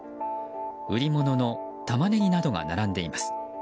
売り物のタマネギなどが並んでいます。